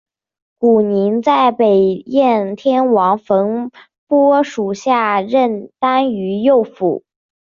古泥在北燕天王冯跋属下任单于右辅。